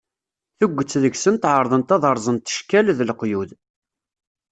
Tuget deg-sent ɛerḍent ad rẓent cckal, d leqyud.